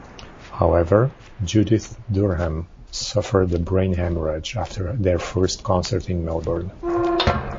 However, Judith Durham suffered a brain hemorrhage after their first concert in Melbourne.